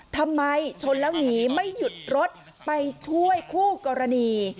ทำไมชนแล้วหนีไม่หยุดรถไปช่วยคู่กรณี